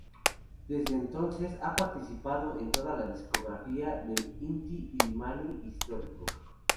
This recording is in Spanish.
Desde entonces, ha participado en toda la discografía de Inti-Illimani Histórico.